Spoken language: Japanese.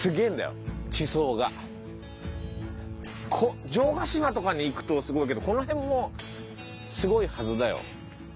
あの城ヶ島とかに行くとすごいけどこの辺もすごいはずだよ。